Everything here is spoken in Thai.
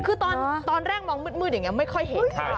คือตอนแรกมองมืดอย่างนี้ไม่ค่อยเห็น